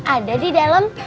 ada di dalam